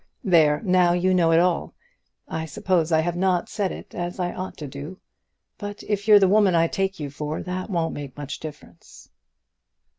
There! now you know it all. I suppose I have not said it as I ought to do, but if you're the woman I take you for that won't make much difference."